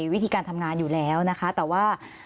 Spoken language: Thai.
วิธีการทำงานอยู่แล้วนะคะแต่ว่า